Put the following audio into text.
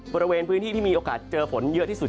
บริเวณพื้นที่ที่มีโอกาสเจอฝนเยอะที่สุด